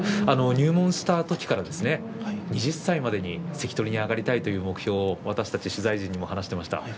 入門したときから２０歳までに関取に上がりたいという目標を私たち取材陣にも話していました。